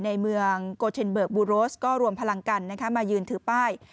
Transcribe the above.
ในเมืองโกเทนเบิร์กบูโรสก็รวมพลังกันมายืนถือป้าย